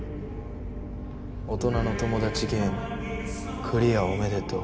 大人のトモダチゲームクリアおめでとう。